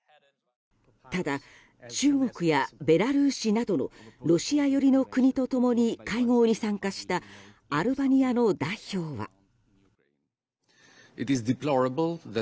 ただ、中国やベラルーシなどのロシア寄りの国と共に会合に参加したアルバニアの代表は。